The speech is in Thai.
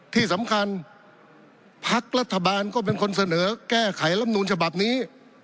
ที่สำคัญพักรัฐบาลก็เป็นคนเสนอแก้ไขลำนูลฉบับนี้